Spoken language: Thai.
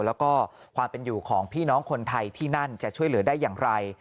แล้วก็ความเป็นอยู่ของพี่น้องคนไทยที่นั่นจะช่วยเหลือได้อย่างไร